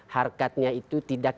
harkatnya itu tidak